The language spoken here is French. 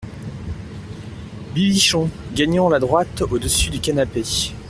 Bibichon, gagnant la droite au-dessus du canapé.